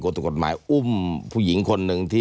ค่ะคุณนัทธวุฒิขอบคุณนะคะ